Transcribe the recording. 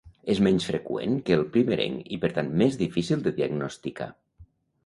És menys freqüent que el primerenc i per tant més difícil de diagnosticar.